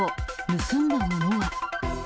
盗んだものは？